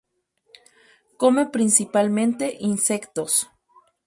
Come principalmente insectos.